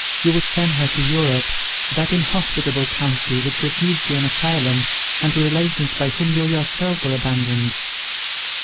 you would send her to Europe, that inhospitable country which refused you an asylum, and to relations by whom you yourself were abandoned.